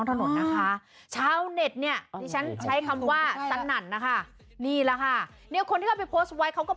แต่กินด้วยอะ